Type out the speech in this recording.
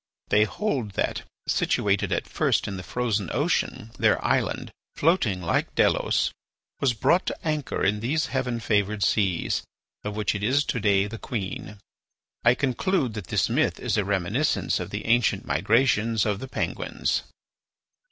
They hold that, situated at first in the frozen ocean, their island, floating like Delos, was brought to anchor in these heaven favoured seas, of which it is to day the queen. I conclude that this myth is a reminiscence of the ancient migrations of the Penguins."